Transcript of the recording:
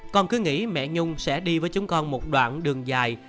con cứ nghĩ mẹ nhung sẽ đi với chúng con một đoạn đường dài